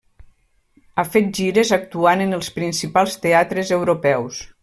Ha fet gires actuant en els principals teatres europeus.